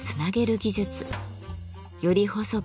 より細く